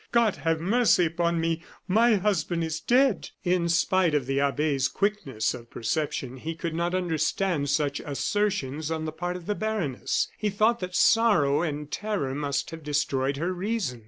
God have mercy upon me; my husband is dead!" In spite of the abbe's quickness of perception, he could not understand such assertions on the part of the baroness; he thought that sorrow and terror must have destroyed her reason.